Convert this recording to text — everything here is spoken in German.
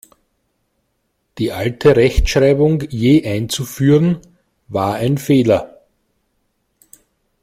Die alte Rechtschreibung je einzuführen, war ein Fehler.